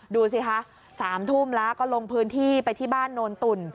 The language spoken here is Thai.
ดูสิคะ๓ทุ่มแล้วก็ลงพื้นที่ไปที่บ้านโนนตุ่น